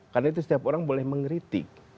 karena itu setiap orang boleh mengkritik